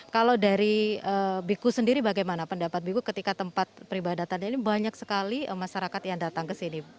kalau dari biku sendiri bagaimana pendapat biku ketika tempat peribadatan ini banyak sekali masyarakat yang datang ke sini